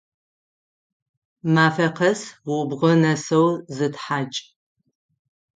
Мафэ къэс убгы нэсэу зытхьакӏ!